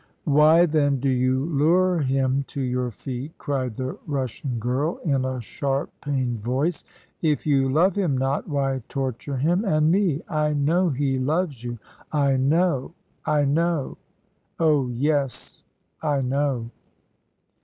"Why then do you lure him to your feet?" cried the Russian girl, in a sharp, pained voice. "If you love him not, why torture him, and me? I know he loves you I know I know oh yes, I know."